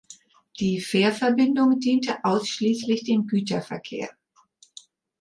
Die Fährverbindung diente ausschließlich dem Güterverkehr.